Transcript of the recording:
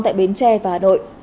tại bến tre và hà nội